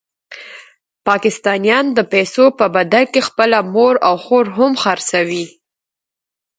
پاکستانیان د پیسو په بدل کې خپله مور او خور هم خرڅوي.